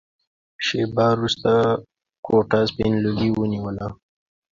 شېبه وروسته کوټه سپين لوګي ونيوله.